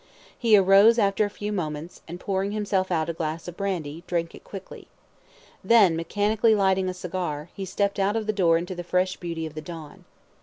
He arose after a few moments, and, pouring himself out a glass of brandy, drank it quickly. Then mechanically lighting a cigar, he stepped out of the door into the fresh beauty of the dawn.